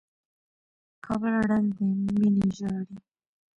کابل ړنګ دى ميني ژاړي